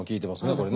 これね。